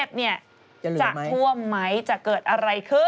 จะเหลือไหมจะเกิดอะไรขึ้นจะท่วมไหมจะเกิดอะไรขึ้น